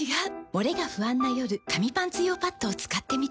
モレが不安な夜紙パンツ用パッドを使ってみた。